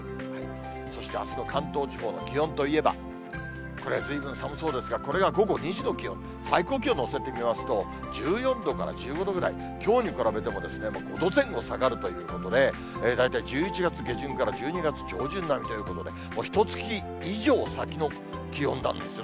そしてあすの関東地方の気温といえば、これ、ずいぶん寒そうですが、これが午後２時の気温、最高気温載せてみますと、１４度から１５度ぐらい、きょうに比べても、５度前後下がるということで、大体１１月下旬から１２月上旬並みということで、ひとつき以上先の気温なんですね。